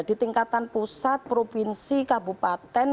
di tingkatan pusat provinsi kabupaten